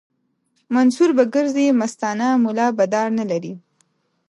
منصور به ګرځي مستانه ملا به دار نه لري